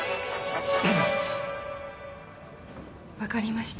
分かりました。